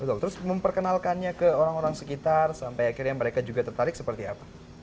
betul terus memperkenalkannya ke orang orang sekitar sampai akhirnya mereka juga tertarik seperti apa